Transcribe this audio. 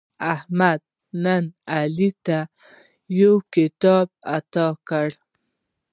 احمد نن علي ته یو کتاب اعطا کړ.